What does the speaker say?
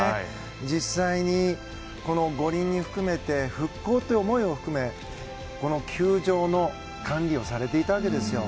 実際に、この五輪に復興っていう思いを込めて球場の管理をされていたわけです。